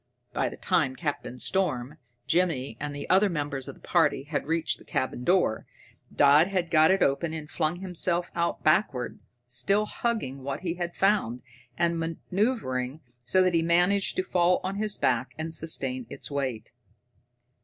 By the time Captain Storm, Jimmy, and the other members of the party had reached the cabin door, Dodd had got it open and flung himself out backward, still hugging what he had found, and maneuvering so that he managed to fall on his back and sustain its weight.